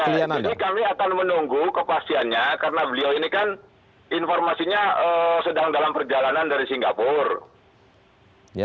jadi kami akan menunggu kepastiannya karena beliau ini kan informasinya sedang dalam perjalanan dari singapura